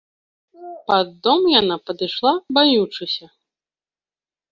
Пад дом яна падышла баючыся.